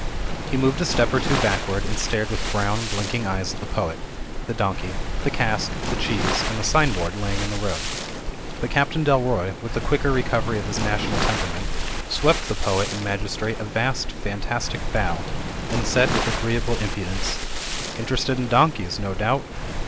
He moved a step or two backward and stared with brown, blinking eyes at the poet, the donkey, the cask, the cheese, and the sign board lying in the road. But Captain Dalroy, with the quicker recovery of his national temperament, swept the poet and magis trate a vast fantastic bow and said with agreeable impudence, "interested in donkeys, no doubt?"